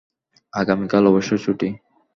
আগামীকাল অবশ্য ছুটি।